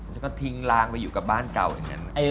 แล้วก็ทิ้งลางไปอยู่กับบ้านเก่าอย่างนั้น